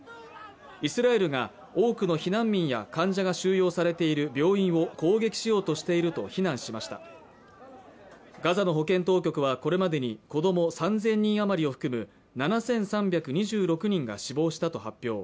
イスラエルが多くの避難民や患者が収容されている病院を攻撃しようとしていると非難しましたガザの保健当局はこれまでに子ども３０００人余りを含む７３２６人が死亡したと発表